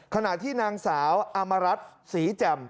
ขณะที่นางสาวอมรัฐศรีแจ่ม